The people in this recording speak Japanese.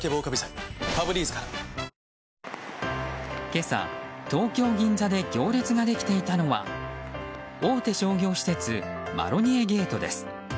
今朝、東京・銀座で行列ができていたのは大手商業施設マロニエゲートです。